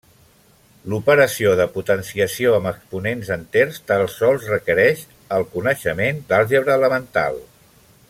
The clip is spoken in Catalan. L'operació de potenciació amb exponents enters tal sols requereix el coneixement d'àlgebra elemental.